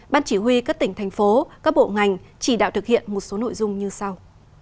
ban chỉ huy các tỉnh thành phố các bộ ngành chỉ đạo thực hiện một số nội dung như sau